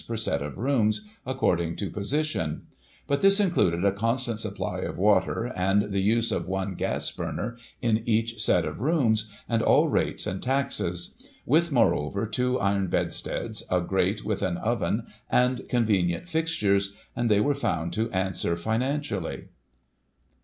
per set of rooms, according to position ; but this included a constant supply of water, and the use of one gas burner in each set of rooms, and all rates and taxes ; with, moreover, two iron bedsteads, a grate with cin oven, and convenient fixtures; and they were found to answer financially.